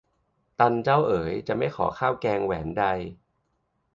ตันเจ้าเอ๋ย จะไม่ขอข้าวแกงแหวนใด